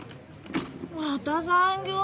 また残業！